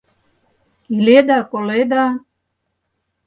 Иледа-коледа!